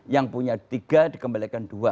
yang punya tiga dikembalikan dua